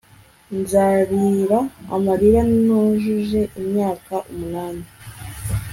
nzarira amarira nujuje imyaka umunani